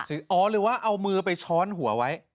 อ๋อหรือว่าเอามือไปช้อนหัวไว้